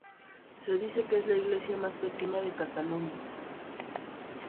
Se dice que es la iglesia más pequeña de Cataluña.